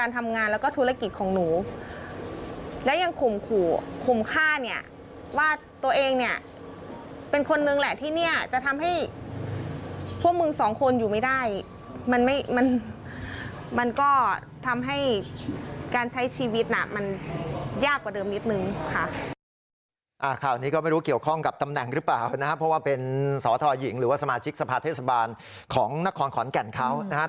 ข่าวนี้ก็ไม่รู้เกี่ยวข้องกับตำแหน่งหรือเปล่านะครับเพราะว่าเป็นสอทอหญิงหรือว่าสมาชิกสภาเทศบาลของนครขอนแก่นเขานะฮะ